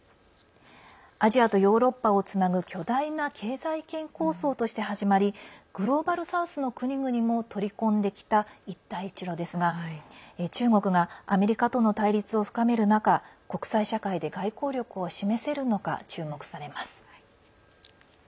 アジアとヨーロッパをつなぐ巨大な経済圏構想として始まりグローバル・サウスの国々も取り込んできた一帯一路ですが中国がアメリカとの対立を深める中国際社会で外交力を示せるのか注目されます。